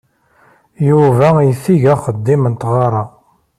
Yuba itteg axeddim n tɣara.